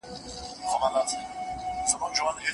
د شاګرد تېروتني نه پوښل کېږي.